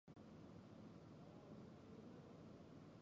د فرانسیس بېکن وايي: هنر طبیعت او انسان.